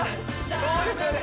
そうですよね